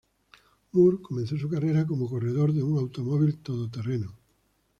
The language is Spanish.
Moore comenzó su carrera como corredor de un Automóvil todoterreno.